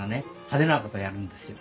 派手なことをやるんですよ。